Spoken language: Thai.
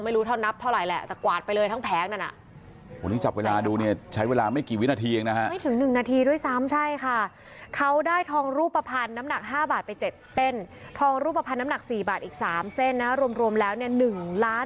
ไม่รู้เท่านับเท่าไหร่แหละแต่กวาดไปเลยทั้งแพ้งนั่น